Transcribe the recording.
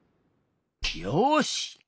よし！